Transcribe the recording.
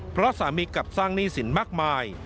เพราะสามีกลับสร้างหนี้สินมากมาย